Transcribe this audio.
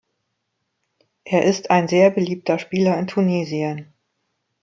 Er ist ein sehr beliebter Spieler in Tunesien.